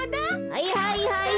はいはいはい。